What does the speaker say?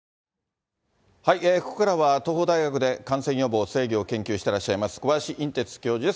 ここからは東邦大学で感染予防制御を研究していらっしゃいます、小林寅てつ教授です。